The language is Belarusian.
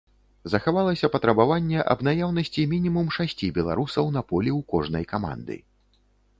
Захавалася патрабаванне аб наяўнасці мінімум шасці беларусаў на полі ў кожнай каманды.